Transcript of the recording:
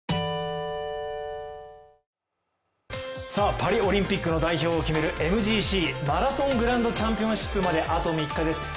パリオリンピックの代表を決めるＭＧＣことマラソングランドチャンピオンシップまであと３日です。